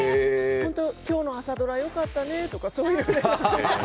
今日の朝ドラ良かったねとかそういう感じで。